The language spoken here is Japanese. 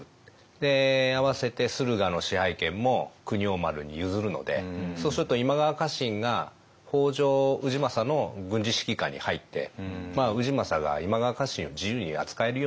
あわせて駿河の支配権も国王丸に譲るのでそうすると今川家臣が北条氏政の軍事指揮下に入って氏政が今川家臣を自由に扱えるようになるんですね。